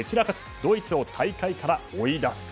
ドイツを大会から追い出す。